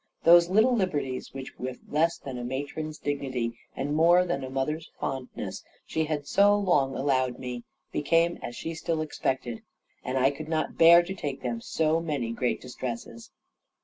Those little liberties, which with less than a matron's dignity, and more than a mother's fondness she had so long allowed me, became as she still expected, and I could not bear to take them, so many great distresses.